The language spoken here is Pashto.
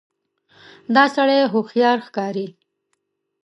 دا سړی هوښیار ښکاري.